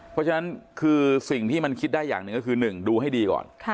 เพราะฉะนั้นคือสิ่งที่มันคิดได้อย่างหนึ่งก็คือ๑ดูให้ดีก่อน